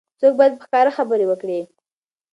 څوګ باید په ښکاره خبرې وکړي.